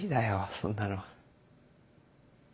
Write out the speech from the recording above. そんなの。